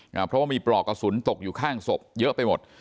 เพราะว่ามีปลอกกระสุนตกอยู่ข้างศพเยอะไปหมด